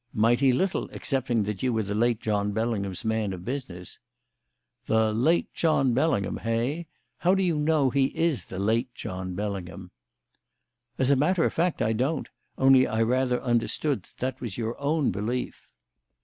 "Mighty little, excepting that you were the late John Bellingham's man of business." "The 'late John Bellingham,' hey! How do you know he is the late John Bellingham?" "As a matter of fact, I don't; only I rather understood that that was your own belief."